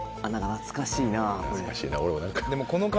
懐かしいな俺も。